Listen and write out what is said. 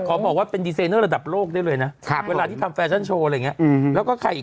เพราะว่าเรามารับน้องลิซ่าป่ะนี่เพิ่งไปขายแบบนี้